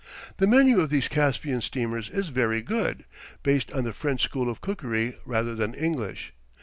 The menu of these Caspian steamers is very good, based on the French school of cookery rather than English.